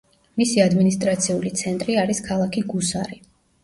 მისი ადმინისტრაციული ცენტრი არის ქალაქი გუსარი.